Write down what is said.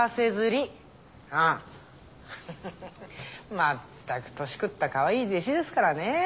まったく年食ったかわいい弟子ですからね。